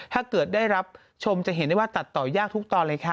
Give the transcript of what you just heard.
ถ้าเกิดได้รับชมจะเห็นได้ว่าตัดต่อยากทุกตอนเลยค่ะ